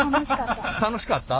楽しかった。